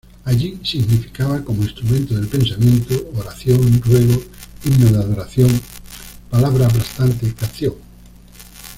Allí significaba ―como ‘instrumento del pensamiento’― ‘oración, ruego, himno de adoración, palabra aplastante, canción’.